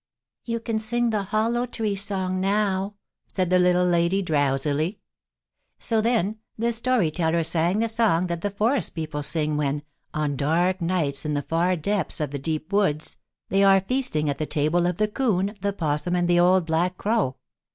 "You can sing the Hollow Tree Song, now," said the Little Lady, drowsily. [Illustration: THE THREE FRIENDS.] So then the Story Teller sang the song that the forest people sing when, on dark nights in the far depths of the Deep Woods, they are feasting at the table of the 'Coon, the 'Possum and the Old Black Crow.